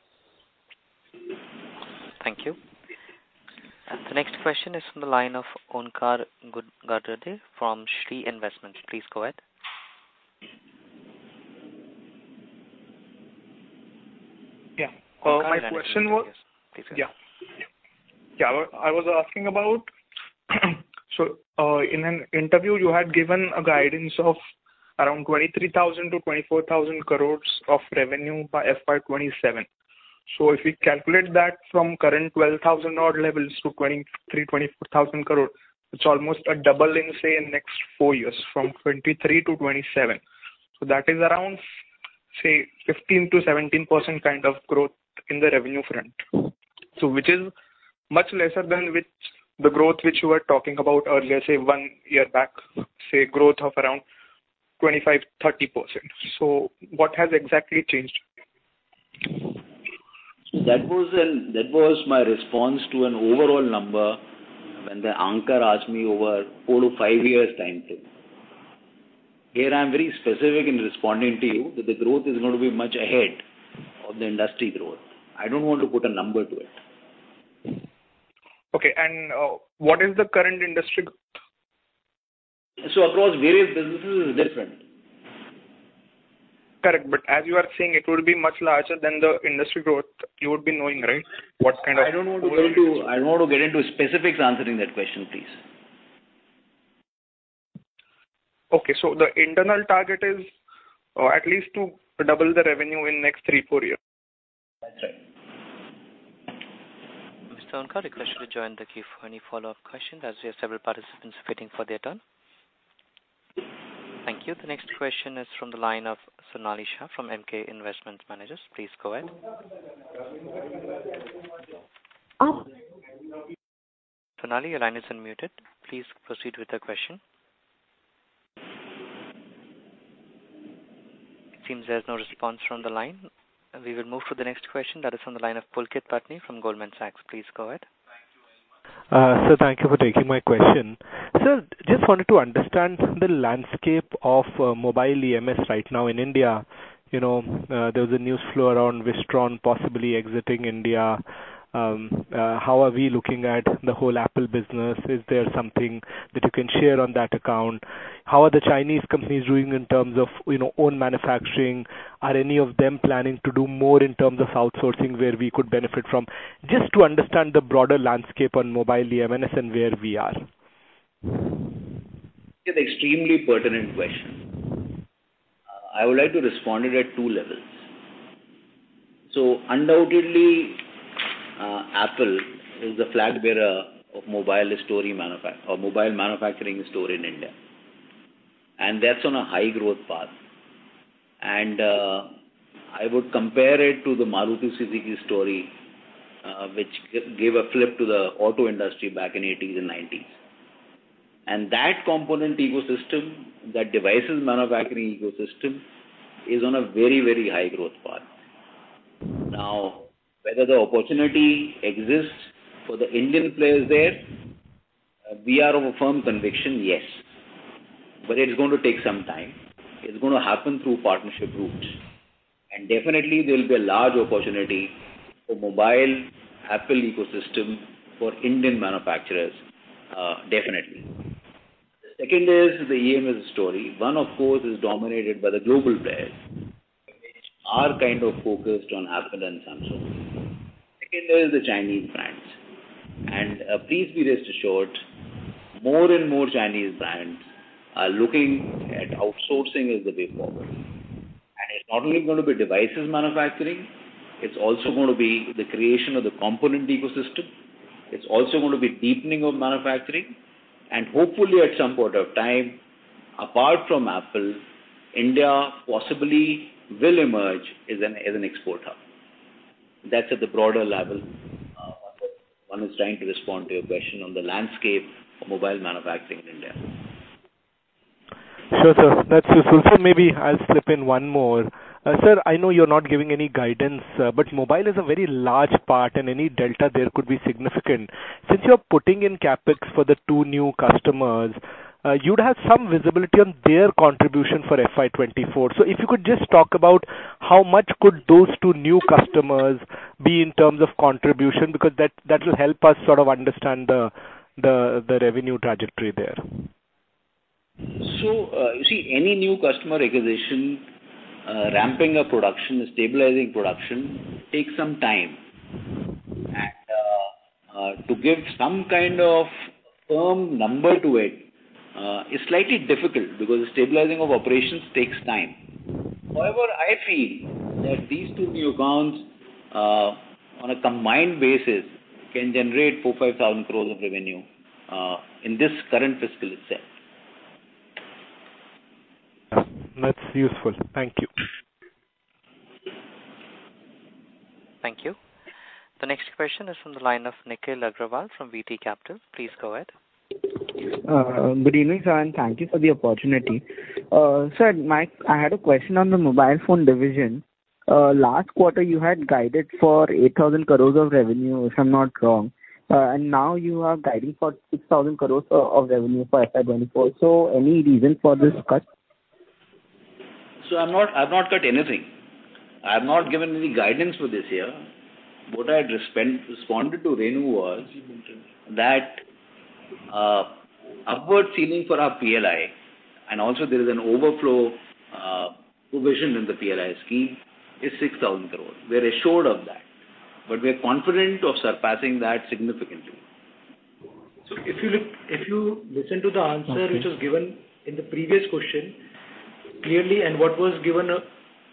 Thank you. The next question is from the line of Onkar Ghugardare from Shree Investments. Please go ahead. Yeah. Onkar My question. Yes. Please go ahead. I was asking about in an interview you had given a guidance of around 23,000 crore-24,000 crore of revenue by FY 2027. If we calculate that from current 12,000 odd levels to 23,000-24,000 crore, it's almost a double in, say, in next 4 years from 2023 to 2027. That is around, say, 15%-17% kind of growth in the revenue front. Which is much lesser than which the growth which you were talking about earlier, say 1 year back, say growth of around 25%-30%. What has exactly changed? That was my response to an overall number when the anchor asked me over four to five years timeframe. Here I'm very specific in responding to you that the growth is gonna be much ahead of the industry growth. I don't want to put a number to it. Okay. What is the current industry growth? Across various businesses, it's different. Correct. As you are saying, it will be much larger than the industry growth. You would be knowing, right? What kind of growth- I don't want to get into specifics answering that question, please. Okay. The internal target is at least to double the revenue in next 3, 4 years. That's right. Mr. Onkar, I request you to join the queue for any follow-up questions as we have several participants waiting for their turn. Thank you. The next question is from the line of Sonali Shah from Emkay Investment Managers. Please go ahead. Sonali, your line is unmuted. Please proceed with your question. It seems there's no response from the line. We will move to the next question that is on the line of Pulkit Patni from Goldman Sachs. Please go ahead. Thank you very much. Sir, thank you for taking my question. Sir, just wanted to understand the landscape of mobile EMS right now in India. You know, there was a news flow around Wistron possibly exiting India. How are we looking at the whole Apple business? Is there something that you can share on that account? How are the Chinese companies doing in terms of, you know, own manufacturing? Are any of them planning to do more in terms of outsourcing where we could benefit from? Just to understand the broader landscape on mobile EMS and where we are. It's an extremely pertinent question. I would like to respond it at 2 levels. Undoubtedly, Apple is the flagbearer of mobile manufacturing story in India. That's on a high growth path. I would compare it to the Maruti Suzuki story, which gave a flip to the auto industry back in eighties and nineties. That component ecosystem, that devices manufacturing ecosystem is on a very, very high growth path. Whether the opportunity exists for the Indian players there, we are of a firm conviction, yes. It's going to take some time. It's gonna happen through partnership routes. Definitely there will be a large opportunity for mobile Apple ecosystem for Indian manufacturers, definitely. The second is the EMS story. One of course is dominated by the global players, which are kind of focused on Apple and Samsung. Second is the Chinese brands. Please be rest assured, more and more Chinese brands are looking at outsourcing as the way forward. It's not only gonna be devices manufacturing, it's also gonna be the creation of the component ecosystem, it's also gonna be deepening of manufacturing, and hopefully at some point of time, apart from Apple, India possibly will emerge as an export hub. That's at the broader level, one is trying to respond to your question on the landscape for mobile manufacturing in India. Sure, sir. That's useful. Maybe I'll slip in one more. Sir, I know you're not giving any guidance, but mobile is a very large part, and any delta there could be significant. Since you're putting in CapEx for the two new customer.s, you'd have some visibility on their contribution for FY 2024. If you could just talk about how much could those two new customer.s be in terms of contribution, because that will help us sort of understand the revenue trajectory there. You see, any new customer acquisition, ramping up production, stabilizing production takes some time. To give some kind of firm number to it is slightly difficult because the stabilizing of operations takes time. However, I feel that these two new accounts, on a combined basis can generate 4,000–5,000 crores of revenue in this current fiscal itself. That's useful. Thank you. Thank you. The next question is from the line of Nikhil Agarwal from VT Capital. Please go ahead. Good evening, sir, thank you for the opportunity. Sir, I had a question on the mobile phone division. Last quarter, you had guided for 8,000 crore of revenue, if I'm not wrong. Now you are guiding for 6,000 crore of revenue for FY 2024. Any reason for this cut? I've not cut anything. I've not given any guidance for this year. What I had responded to Renu was that upward ceiling for our PLI, and also there is an overflow provision in the PLI scheme is 6,000 crores. We're assured of that. We're confident of surpassing that significantly. If you listen to the answer which was given in the previous question clearly, and what was given,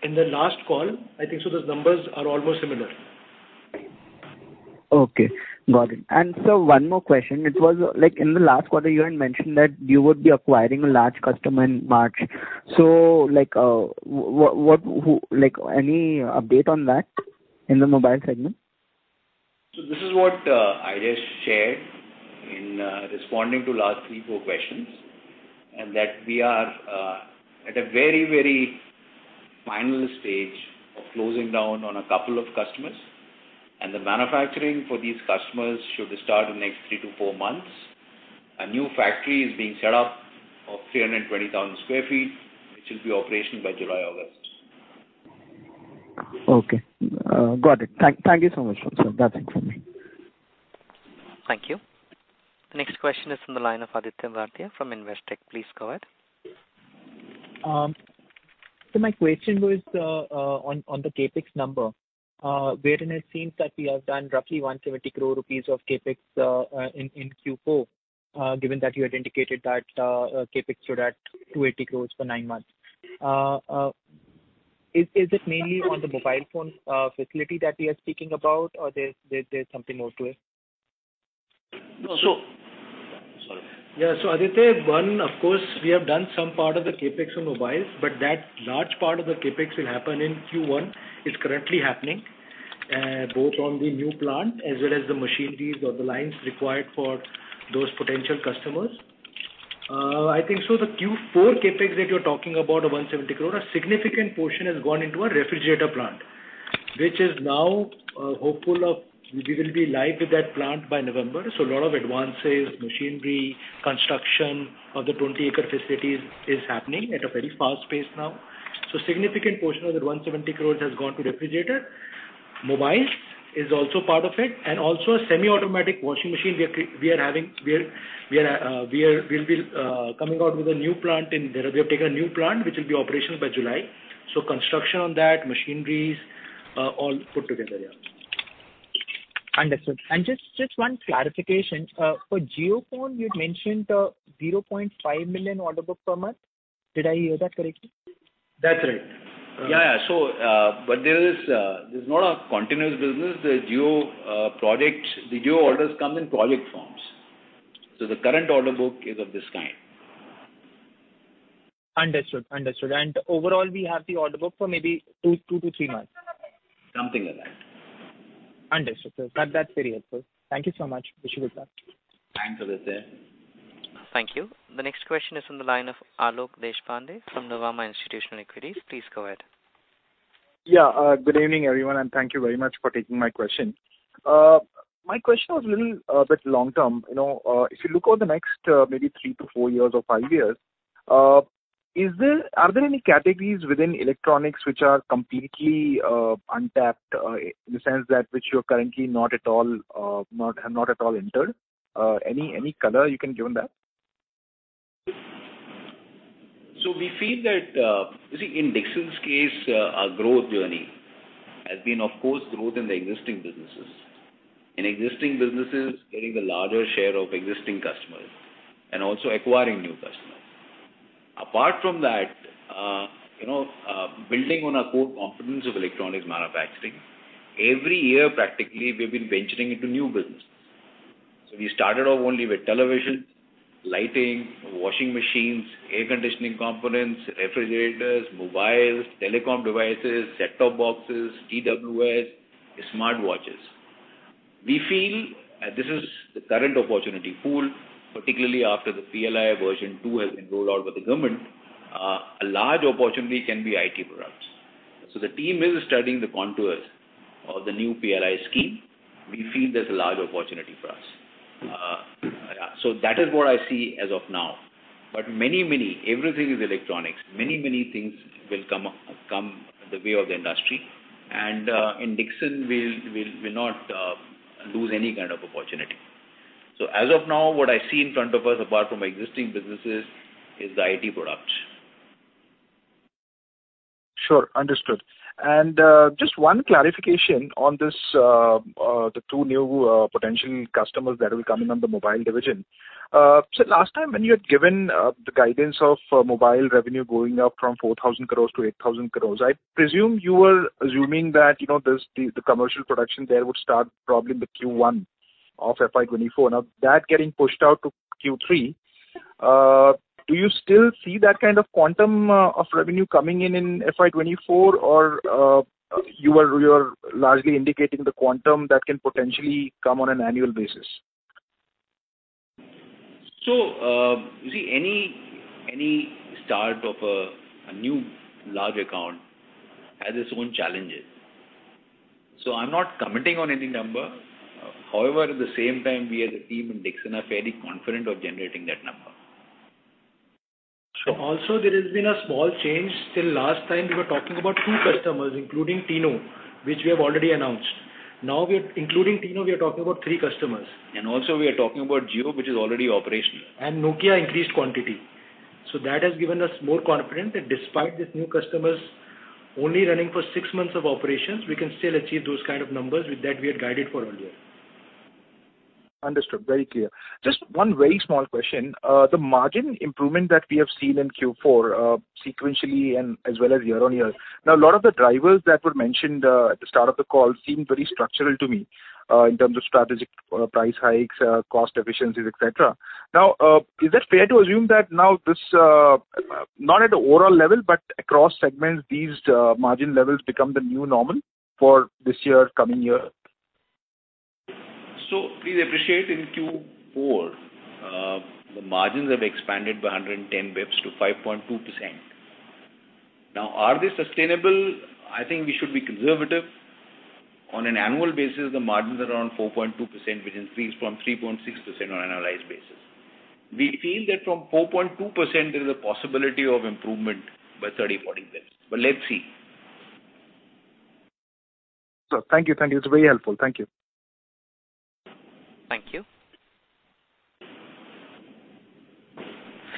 in the last call, I think so those numbers are almost similar. Okay. Got it. Sir, one more question. It was, like, in the last quarter, you had mentioned that you would be acquiring a large customer in March. Like, any update on that in the mobile segment? This is what I just shared in responding to last three, four questions, and that we are at a very, very final stage of closing down on a couple of customers. The manufacturing for these customers should start in the next three to four months. A new factory is being set up of 320,000 sq. ft., which will be operational by July, August. Okay. Got it. Thank you so much sir. That's it from me. Thank you. The next question is from the line of Aditya Bhartia from Investec. Please go ahead. My question was on the CapEx number, wherein it seems that we have done roughly 170 crore rupees of CapEx in Q4, given that you had indicated that CapEx stood at 280 crore for nine months. Is it mainly on the mobile phone facility that we are speaking about or there's something more to it? So- Sorry. Yeah. Aditya, one, of course, we have done some part of the CapEx on mobile, but that large part of the CapEx will happen in Q1. It's currently happening, both on the new plant as well as the machineries or the lines required for those potential customers. I think so the Q4 CapEx that you're talking about of 170 crore, a significant portion has gone into a refrigerator plant, which is now hopeful of we will be live with that plant by November. A lot of advances, machinery, construction of the 20 acre facilities is happening at a very fast pace now. Significant portion of that 170 crore has gone to refrigerator. Mobile is also part of it, and also a semi-automatic washing machine we are having... We'll be coming out with a new plant in. We have taken a new plant which will be operational by July. Construction on that, machineries, all put together, yeah. Understood. Just one clarification. For JioPhone, you'd mentioned 0.5 million order book per month. Did I hear that correctly? That's right. Yeah. But there is, there's not a continuous business. The Jio orders come in project forms. The current order book is of this kind. Understood. Overall, we have the order book for maybe two to three months. Something like that. Understood, sir. That's very helpful. Thank you so much. Wish you good luck. Thanks. Thank you. The next question is from the line of Alok Deshpande from Nuvama Institutional Equities. Please go ahead. Yeah. Good evening, everyone, and thank you very much for taking my question. My question was a little bit long term. You know, if you look over the next, maybe three to four years or five years, are there any categories within electronics which are completely untapped, in the sense that which you're currently not at all, have not at all entered? Any color you can give on that? We feel that, you see in Dixon’s case, our growth journey has been, of course, growth in the existing businesses. In existing businesses, getting the larger share of existing customers and also acquiring new customers. Apart from that, you know, building on our core competence of electronics manufacturing, every year practically we've been venturing into new businesses. We started off only with television, lighting, washing machines, air conditioning components, refrigerators, mobiles, telecom devices, set-top boxes, TWS, smartwatches. We feel, this is the current opportunity pool, particularly after the PLI Version 2 has been rolled out by the government. A large opportunity can be IT products. The team is studying the contours of the new PLI scheme. We feel there's a large opportunity for us. Yeah. That is what I see as of now. Many, everything is electronics. Many, many things will come the way of the industry and Dixon will not lose any kind of opportunity. As of now, what I see in front of us, apart from existing businesses, is the IT products. Sure. Understood. Just one clarification on this, the two new potential customers that will come in on the mobile division. Last time when you had given the guidance of mobile revenue going up from 4,000 crores to 8,000 crores, I presume you were assuming that, you know, the commercial production there would start probably in the Q1 of FY 2024. Now that getting pushed out to Q3, do you still see that kind of quantum of revenue coming in in FY 2024 or you are largely indicating the quantum that can potentially come on an annual basis? You see, any start of a new large account has its own challenges. I'm not commenting on any number. However, at the same time, we as a team in Dixon are fairly confident of generating that number. Sure. There has been a small change. Till last time we were talking about two customers, including Tinno, which we have already announced. Now we're including Tinno, we are talking about 3 customers. Also we are talking about Jio, which is already operational. Nokia increased quantity. That has given us more confidence that despite these new customers only running for six months of operations, we can still achieve those kind of numbers with that we had guided for all year. Understood. Very clear. Just one very small question. The margin improvement that we have seen in Q4, sequentially and as well as year-over-year. A lot of the drivers that were mentioned, at the start of the call seem very structural to me, in terms of strategic, price hikes, cost efficiencies, et cetera. Is it fair to assume that now this, not at the overall level but across segments, these, margin levels become the new normal for this year, coming year? Please appreciate in Q4, the margins have expanded by 110 basis points to 5.2%. Are they sustainable? I think we should be conservative. On an annual basis, the margins are around 4.2%, which increased from 3.6% on an annualized basis. We feel that from 4.2% there is a possibility of improvement by 30–40 basis points. Let's see. Sure. Thank you. Thank you. It's very helpful. Thank you. Thank you.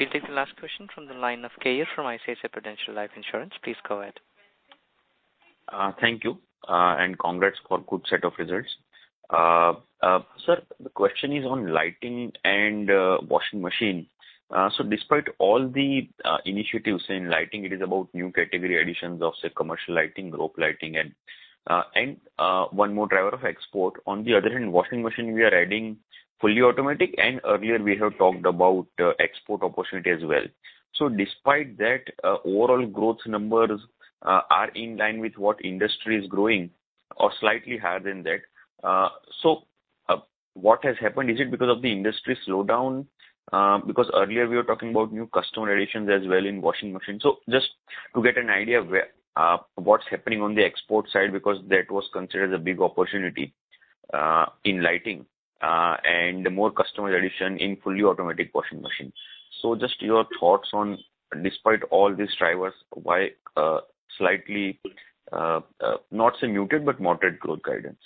We'll take the last question from the line of Kayur from ICICI Prudential Life Insurance. Please go ahead. Thank you, and congrats for good set of results. Sir, the question is on lighting and washing machine. Despite all the initiatives in lighting, it is about new category additions of, say, commercial lighting, rope lighting and one more driver of export. On the other hand, washing machine, we are adding fully automatic. Earlier we have talked about export opportunity as well. Despite that, overall growth numbers are in line with what industry is growing or slightly higher than that. What has happened? Is it because of the industry slowdown? Because earlier we were talking about new customer additions as well in washing machines. Just to get an idea where what's happening on the export side, because that was considered a big opportunity in lighting, and more customer addition in fully automatic washing machines. Just your thoughts on despite all these drivers, why slightly not say muted, but moderate growth guidance.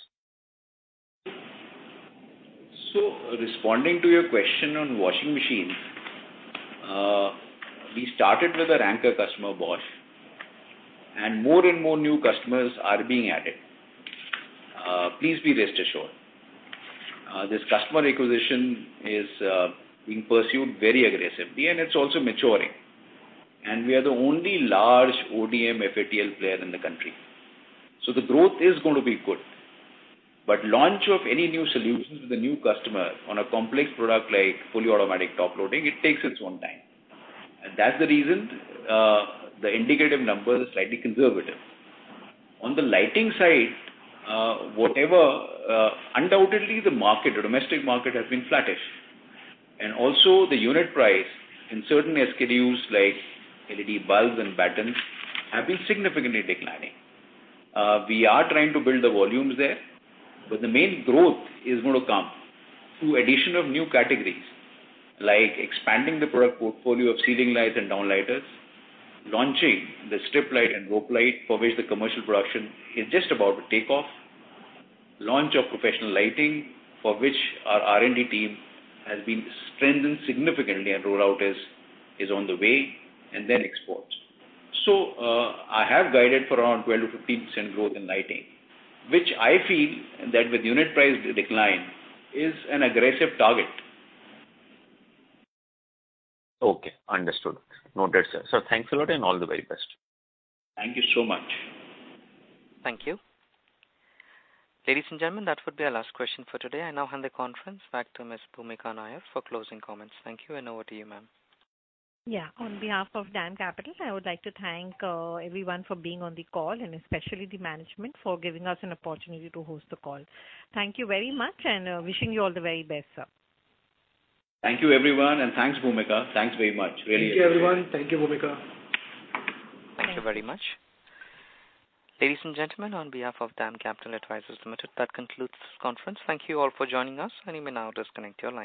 Responding to your question on washing machines, we started with our anchor customer, Bosch, and more and more new customers are being added. Please be rest assured. This customer acquisition is being pursued very aggressively, and it's also maturing. We are the only large ODM/FATL player in the country. The growth is gonna be good. Launch of any new solutions with a new customer on a complex product like fully automatic top loading, it takes its own time. That's the reason the indicative number is slightly conservative. On the lighting side, whatever, undoubtedly the market, the domestic market has been flattish. Also the unit price in certain SKUs like LED bulbs and batons have been significantly declining. We are trying to build the volumes there. The main growth is gonna come through addition of new categories, like expanding the product portfolio of ceiling lights and downlighters, launching the strip light and rope light for which the commercial production is just about to take off. Launch of professional lighting for which our R&D team has been strengthened significantly and rollout is on the way, and then exports. I have guided for around 12%–15% growth in lighting, which I feel that with unit price decline is an aggressive target. Okay, understood. No doubt, sir. Thanks a lot and all the very best. Thank you so much. Thank you. Ladies and gentlemen, that would be our last question for today. I now hand the conference back to Ms. Bhumika Nair for closing comments. Thank you and over to you, ma'am. Yeah. On behalf of DAM Capital, I would like to thank everyone for being on the call and especially the management for giving us an opportunity to host the call. Thank you very much. Wishing you all the very best, sir. Thank you everyone and thanks, Bhumika. Thanks very much. Really appreciate it. Thank you everyone. Thank you, Bhumika. Thank you very much. Ladies and gentlemen, on behalf of DAM Capital Advisors Limited, that concludes this conference. Thank you all for joining us. You may now disconnect your lines.